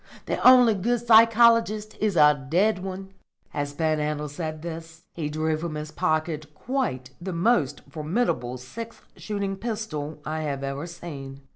The only good psychologist is a dead one." As Panhandle said this, he drew from his pocket quite the most formidable six shooting pistol I have ever seen.